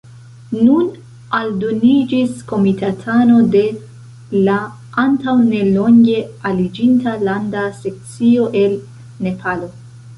Nun aldoniĝis komitatano de la antaŭnelonge aliĝinta Landa Sekcio el Nepalo.